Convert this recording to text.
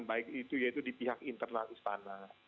baik itu yaitu di pihak internal istana